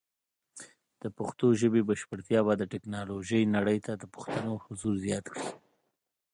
د پښتو ژبې بشپړتیا به د ټیکنالوجۍ نړۍ ته د پښتنو حضور زیات کړي.